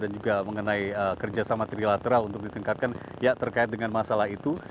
dan juga mengenai kerjasama trilateral untuk ditingkatkan ya terkait dengan masalah itu